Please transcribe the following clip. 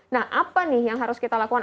nah apa nih yang harus kita lakukan